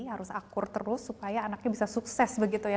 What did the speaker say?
harus akur terus supaya anaknya bisa sukses begitu ya